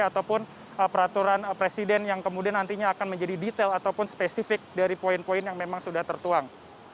ataupun peraturan presiden yang kemudian nantinya akan menjadi detail ataupun spesifik dari poin poin yang memang sudah tertuang